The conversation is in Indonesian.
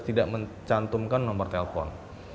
tidak mencantumkan nomor telpon